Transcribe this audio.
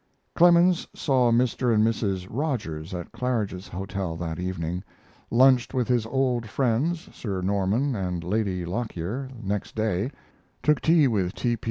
] Clemens saw Mr. and Mrs. Rogers at Claridge's Hotel that evening; lunched with his old friends Sir Norman and Lady Lockyer next day; took tea with T. P.